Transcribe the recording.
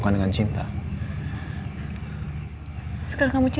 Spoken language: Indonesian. kamu gak cinta sama aku mas